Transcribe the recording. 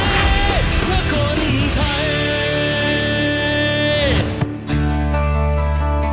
เราจะเชียร์บอลไทย